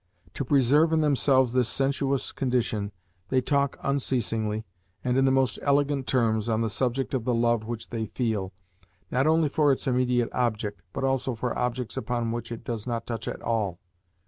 To preserve in themselves this sensuous condition, they talk unceasingly, and in the most elegant terms, on the subject of the love which they feel, not only for its immediate object, but also for objects upon which it does not touch at all.